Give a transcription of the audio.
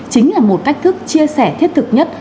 chính là một cách thức chia sẻ thiết thực nhất